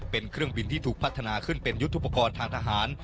เป็นเครื่องบินที่ถูกพัฒนาขึ้นเป็นยุทธุปกรณ์ทางทหาร